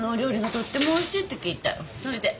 それで。